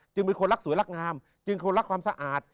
เป็นคนรักสวยรักงามจึงคนรักความสะอาด